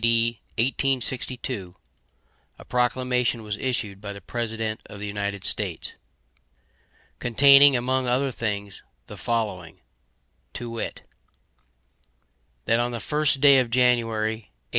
D. 1862, a proclamation was issued by the President of the United States, containing, among other things, the following, to wit: "That on the 1st day of January, A.